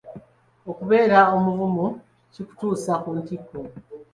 Okubeera omuvumu kikutuusa ku ntikko.